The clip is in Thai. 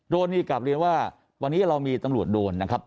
โดนนี่กลับเรียนว่าวันนี้เรามีตำรวจโดนนะครับ